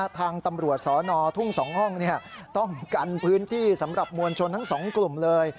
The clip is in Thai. ทางตำรวจสนทุ่ง๒ห้องต้องกันพื้นที่สำหรับมวลชนทั้งสองกลุ่มเลย